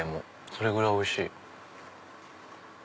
それぐらいおいしい！